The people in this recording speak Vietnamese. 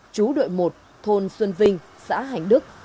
chú đội một thôn xuân vinh xã hành đức